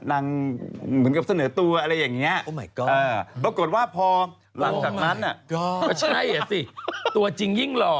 นางเหมือนกับเสนอตัวอะไรอย่างนี้